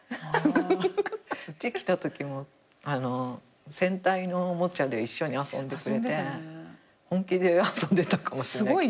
うち来たときも戦隊のおもちゃで一緒に遊んでくれて本気で遊んでたかもしんない。